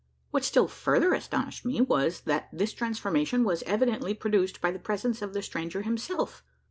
What still further astonished me, was, that this transformation was evidently produced by the presence of the stranger himself!